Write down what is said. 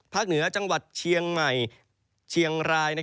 เหนือจังหวัดเชียงใหม่เชียงราย